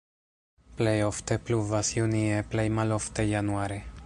Plej ofte pluvas junie, plej malofte januare.